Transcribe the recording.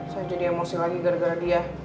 saya jadi emosi lagi gara gara dia